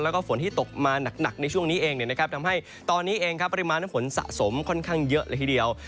แล้วก็ฝนที่ตกมาหนักในช่วงนี้เองทำให้ตอนนี้เองปริมาณน้ำฝนสะสมค่อนข้างเยอะเลยทีเดียว